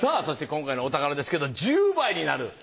そして今回のお宝ですけど１０倍になる？